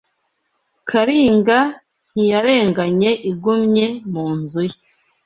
Karinga ntiyarenganye Igumye mu nzu ye